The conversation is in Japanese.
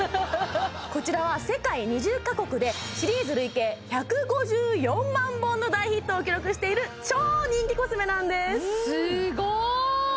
こちらは世界２０カ国でシリーズ累計１５４万本の大ヒットを記録している超人気コスメなんですすごい！